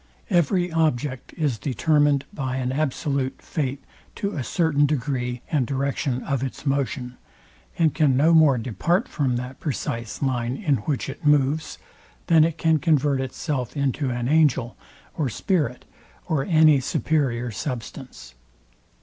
Every object is determined by an absolute fate to a certain degree and direction of its motion, and can no more depart from that precise line, in which it moves, than it can convert itself into an angel, or spirit, or any superior substance.